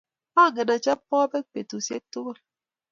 Angen achop popek petusiek tugul